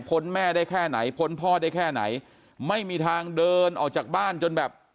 แม่ได้แค่ไหนพ้นพ่อได้แค่ไหนไม่มีทางเดินออกจากบ้านจนแบบ